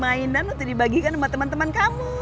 mainan untuk dibagikan sama teman teman kamu